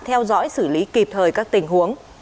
theo dõi xử lý kịp thời các tình huống